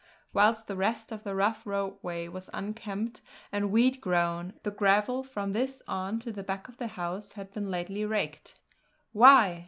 Whilst the rest of the rough roadway was unkempt and weed grown, the gravel from this on, to the back of the house, had been lately raked. "Why?"